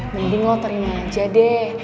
mending loh terima aja deh